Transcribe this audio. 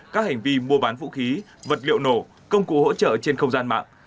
các hành vi mua bán vũ khí vật liệu nổ công cụ hỗ trợ trên không gian mạng